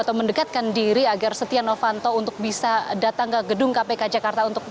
untuk mendekatkan diri agar setia nevanto bisa datang ke gedung kpk jakarta